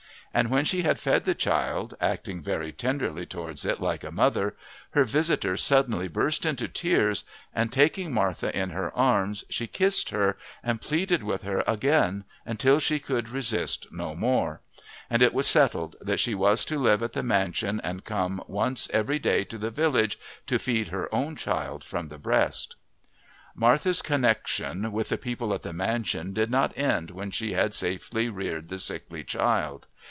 And when she had fed the child, acting very tenderly towards it like a mother, her visitor suddenly burst into tears, and taking Martha in her arms she kissed her and pleaded with her again until she could resist no more; and it was settled that she was to live at the mansion and come once every day to the village to feed her own child from the breast. Martha's connexion with the people at the mansion did not end when she had safely reared the sickly child.